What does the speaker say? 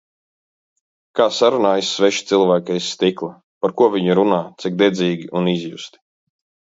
Kā sarunājas sveši cilvēki aiz stikla. Par ko viņi runā, cik dedzīgi un izjusti.